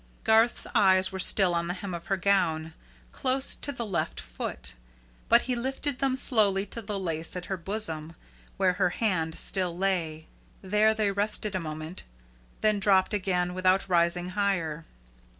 Garth's eyes were still on the hem of her gown, close to the left foot; but he lifted them slowly to the lace at her bosom, where her hand still lay. There they rested a moment, then dropped again, without rising higher.